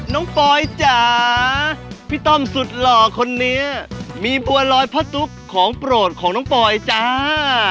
ปอยจ๋าพี่ต้อมสุดหล่อคนนี้มีบัวลอยพ่อตุ๊กของโปรดของน้องปอยจ้า